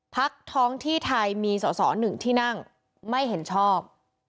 ภักดิ์ท้องที่ไทยมีสส๑ที่นั่งไม่เห็นชอบ